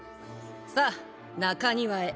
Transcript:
さあ中庭へ。